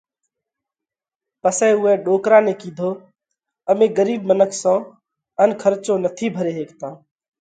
پسئہ اُوئہ ڏوڪرا نئہ ڪِيڌو: امي ڳرِيٻ منک سون ان کرچو نٿِي ڀري هيڪتا۔